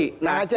nah kang ajep